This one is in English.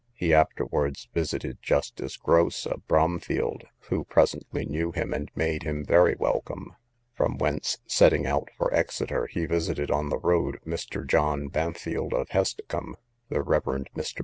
He afterwards visited Justice Grose, of Bromfylde, who presently knew him, and made him very welcome; from whence, setting out for Exeter, he visited on the road Mr. John Bampfylde, of Hesticomb, the Rev. Mr.